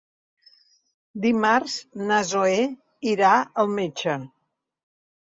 Dimarts na Zoè irà al metge.